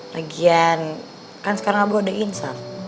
lagian kan sekarang abah udah insaf